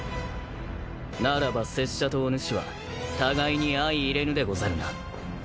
ならば拙者とおぬしは互いに相いれぬでござるな。